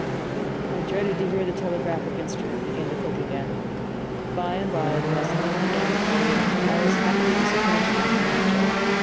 I dreaded to hear the telegraphic instrument begin to click again. By and by the messages began to pour in, but I was happily disappointed in their nature.